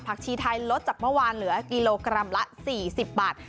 ชีไทยลดจากเมื่อวานเหลือกิโลกรัมละ๔๐บาท